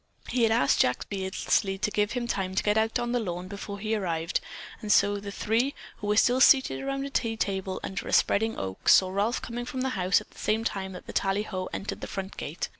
He had asked Jack Beardsley to give him time to get out on the lawn before he arrived, and so the three, who were still seated around a tea table under a spreading oak, saw Ralph coming from the house at the same time that the tallyho entered the front gate.